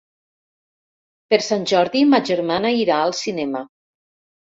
Per Sant Jordi ma germana irà al cinema.